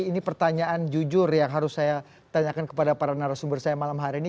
ini pertanyaan jujur yang harus saya tanyakan kepada para narasumber saya malam hari ini